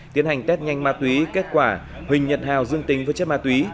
tiến hành test nhanh ma túy kết quả huỳnh nhật hào dương tính với chất ma túy